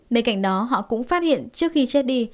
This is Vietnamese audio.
bên cạnh đó họ cũng phát hiện trước khi chết đi